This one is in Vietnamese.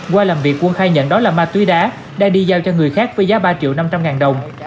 qua làm việc quân khai nhận đó là ma túy đá đã đi giao cho người khác với giá ba triệu năm trăm linh ngàn đồng